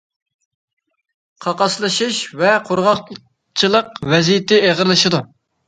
قاقاسلىشىش ۋە قۇرغاقچىلىق ۋەزىيىتى ئېغىرلىشىدۇ.